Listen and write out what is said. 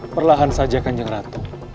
perlahan saja kanjeng ratu